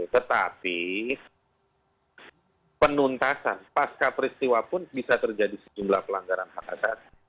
tetapi penuntasan pasca peristiwa pun bisa terjadi sejumlah pelanggaran hak asasi